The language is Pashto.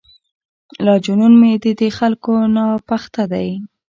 لا جنون مې ددې خلکو ناپخته دی.